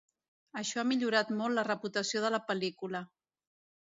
Això ha millorat molt la reputació de la pel·lícula.